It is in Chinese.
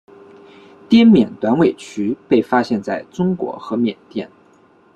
滇缅短尾鼩被发现在中国和缅甸。